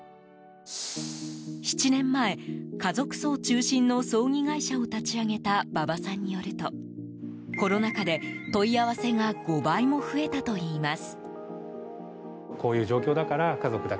７年前、家族葬中心の葬儀会社を立ち上げた馬場さんによるとコロナ禍で問い合わせが５倍も増えたといいます。